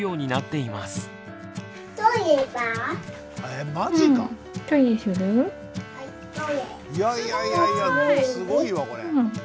いやいやいやいやすごいわこれ。